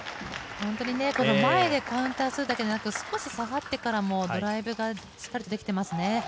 前でカウンターするだけではなく少し下がってからもドライブがしっかりできていますね。